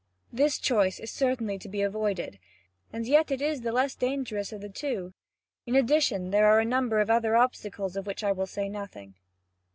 This choice is certainly to be avoided, and yet it is the less dangerous of the two. In addition there are a number of other obstacles of which I will say nothing.